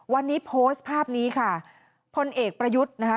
วันนี้โพสต์ภาพนี้ค่ะพลเอกประยุทธ์นะคะ